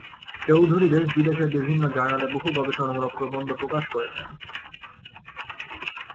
চৌধুরী দেশ-বিদেশে বিভিন্ন জার্নালে বহু গবেষণামূলক প্রবন্ধ প্রকাশ করেছেন।